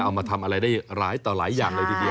เอามาทำอะไรได้หลายต่อหลายอย่างเลยทีเดียว